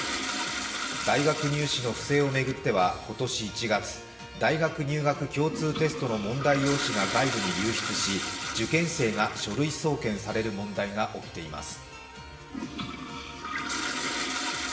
大学入試の不正を巡っては今年１月、大学入学共通テストの問題が外部に流出し、受験生が書類送検される問題が起きています。